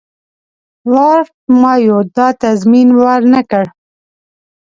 لارډ مایو دا تضمین ورنه کړ.